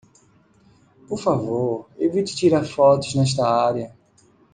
Por favor, evite tirar fotos nesta área.